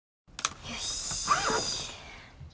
よし。